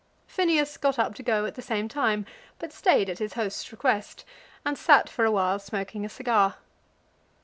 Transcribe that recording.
Phineas got up to go at the same time, but stayed at his host's request, and sat for awhile smoking a cigar.